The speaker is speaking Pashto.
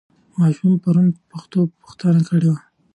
ماشوم پرون په پښتو پوښتنه وکړه.